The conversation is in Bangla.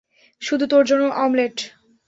শুধু তোর জন্য অমলেট।